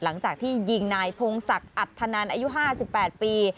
หลังจากที่ยิงนายพงศักดิ์อัธนันอายุ๕๘ปี